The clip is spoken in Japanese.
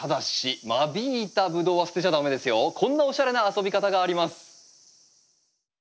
こんなおしゃれな遊び方があります。